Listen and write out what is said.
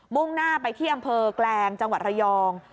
่งหน้าไปที่อำเภอแกลงจังหวัดระยอง